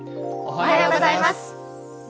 おはようございます。